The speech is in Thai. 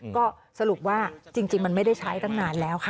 ก็สรุปว่าจริงมันไม่ได้ใช้ตั้งนานแล้วค่ะ